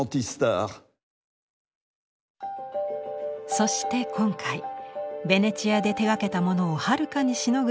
そして今回ベネチアで手がけたものをはるかにしのぐ